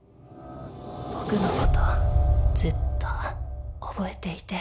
僕のことずっと覚えていて。